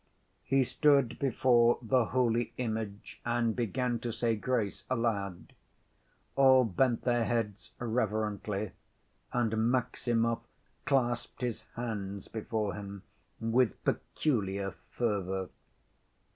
He stood before the holy image, and began to say grace, aloud. All bent their heads reverently, and Maximov clasped his hands before him, with peculiar fervor.